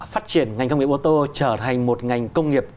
phát triển ngành công nghiệp ô tô trở thành một ngành công nghiệp